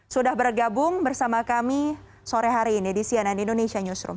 sudah bergabung bersama kami sore hari ini di cnn indonesia newsroom